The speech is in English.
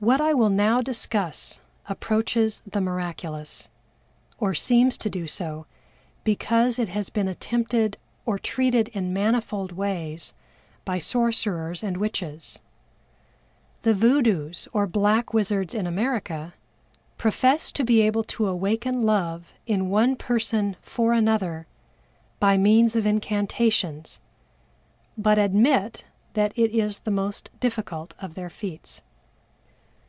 What I will now discuss approaches the miraculous, or seems to do so because it has been attempted or treated in manifold ways by sorcerers and witches. The Voodoos, or black wizards in America, profess to be able to awaken love in one person for another by means of incantations, but admit that it is the most difficult of their feats.